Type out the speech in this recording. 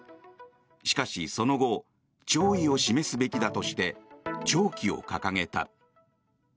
しかし、その後弔意を示すべきだとして弔旗を掲げた。